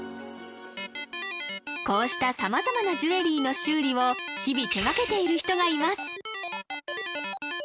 こうした様々なジュエリーの修理を日々手がけている人がいます